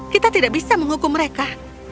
kita tidak bisa menghukum mereka